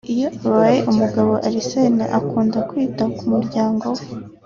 Iyo abaye umugabo Arsène akunda kwita ku murayango we